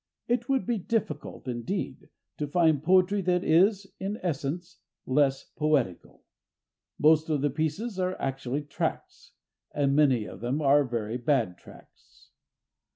It would be difficult, indeed, to find poetry that is, in essence, less poetical. Most of the pieces are actually tracts, and many of them are very bad tracts.